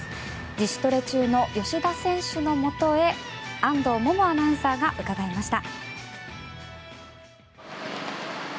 自主トレ中の吉田選手のもとへ安藤萌々アナウンサーがうかがいました。